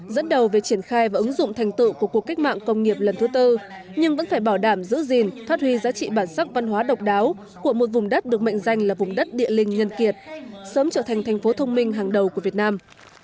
dẫn đầu về triển khai và ứng dụng thành tựu của cuộc cách mạng công nghiệp lần thứ tư nhưng vẫn phải bảo đảm giữ gìn phát huy giá trị bản sắc văn hóa độc đáo của một vùng đất được mệnh danh là vùng đất địa linh nhân kiệt sớm trở thành thành phố thông minh hàng đầu của việt nam